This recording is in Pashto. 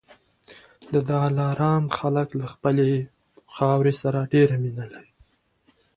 د دلارام خلک له خپلي خاورې سره ډېره مینه لري.